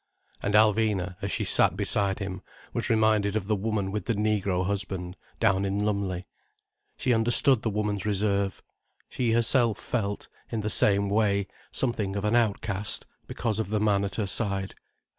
And Alvina, as she sat beside him, was reminded of the woman with the negro husband, down in Lumley. She understood the woman's reserve. She herself felt, in the same way, something of an outcast, because of the man at her side.